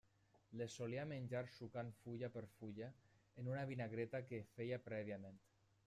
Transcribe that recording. Les solia menjar sucant fulla per fulla en una vinagreta que feia prèviament.